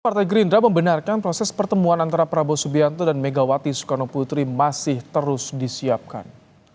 partai gerindra membenarkan proses pertemuan antara prabowo subianto dan megawati soekarno putri masih terus disiapkan